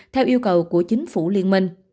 theo yêu cầu của chính phủ liên minh